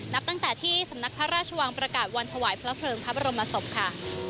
นับตั้งแต่ที่สำนักพระราชวังประกาศวันถวายพระเพลิงพระบรมศพค่ะ